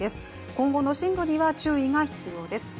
今後の進路には注意が必要です。